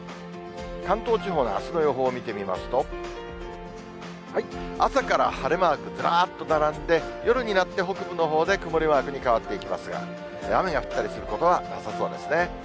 関東地方のあすの予報を見てみますと、朝から晴れマークずらっと並んで、夜になって北部のほうで曇りマークに変わっていきますが、雨が降ったりすることはなさそうですね。